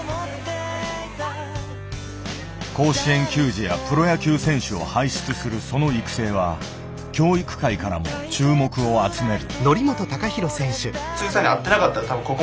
甲子園球児やプロ野球選手を輩出するその育成は教育界からも注目を集める。